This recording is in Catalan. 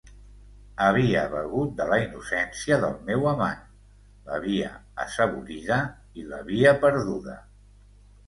Havia begut de la innocència del meu amant, l'havia assaborida i l'havia perduda.